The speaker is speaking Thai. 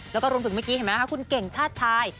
แล้วก็รวมถึงเมื่อกี้เห็นไหมคะคุณเก่งชาติชาย